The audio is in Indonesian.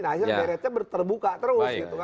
akhirnya dpr nya berterbuka terus